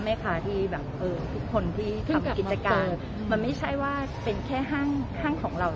ที่แบบเออทุกคนที่ทำกิจการมันไม่ใช่ว่าเป็นแค่ห้างของเรา